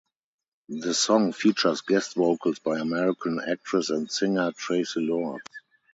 The song features guest vocals by American actress and singer Traci Lords.